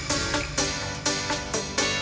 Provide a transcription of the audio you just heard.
sampai jumpa lagi